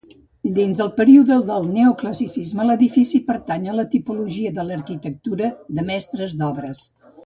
Dins del període del neoclassicisme l'edifici pertany a la tipologia de l'arquitectura de mestres d'obres.